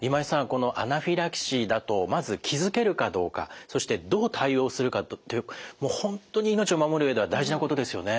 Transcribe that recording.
このアナフィラキシーだとまず気付けるかどうかそしてどう対応するかという本当に命を守る上では大事なことですよね。